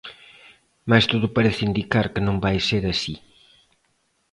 Mais todo parece indicar que non vai ser así.